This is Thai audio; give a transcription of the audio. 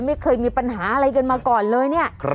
ไม่เคยมีปัญหาอะไรกันมาก่อนเลยเนี่ย